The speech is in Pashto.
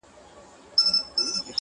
ته به وایې نې خپلوان نه یې سیالان دي.